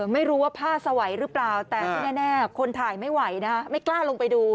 ไม่รู้ว่าผ้าสวัยหรือเปล่าแต่ที่แน่คนถ่ายไม่ไหวนะคะไม่กล้าลงไปดู